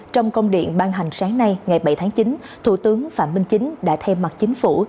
trong công điện ban hành sáng nay ngày bảy tháng chín thủ tướng phạm minh chính đã thay mặt chính phủ